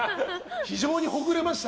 非常にほぐれました。